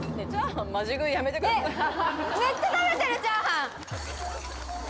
めっちゃ食べてるチャーハン！